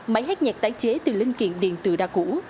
máy hát nhạc tái chế từ linh kiện điện tử đã cũ